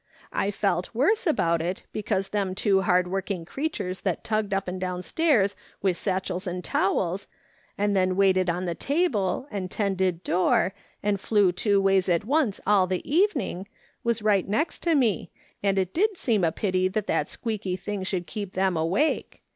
I felt worse about it, because them too hard working creatures that tugged up and down stairs with satchels and towels, and then waited on the table, and tended door, and liew two ways at once all the evening, was right next to me, and it did seem a pity that that squeaky thing should keep them awake.